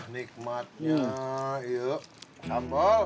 nikmatnya yuk sambal